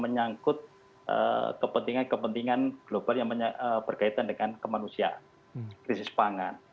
menyangkut kepentingan kepentingan global yang berkaitan dengan kemanusiaan krisis pangan